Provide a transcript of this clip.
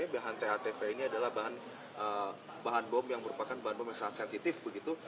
bahan tatp ini adalah bahan bom yang merupakan bahan bom yang sangat sensitif begitu